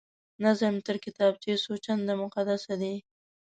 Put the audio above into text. نظم تر کتابچې څو چنده مقدسه دی